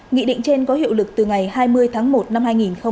nghị định trên có hiệu lực từ ngày hai mươi tháng một năm hai nghìn hai mươi